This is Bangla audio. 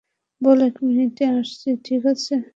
বল এক মিনিটে আসছি, ঠিক আছে?